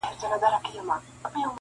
په کهاله کي د مارانو شور ماشور سي-